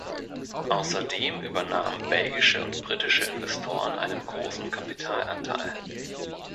Außerdem übernahmen belgische und britische Investoren einen großen Kapitalanteil.